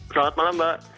selamat malam mbak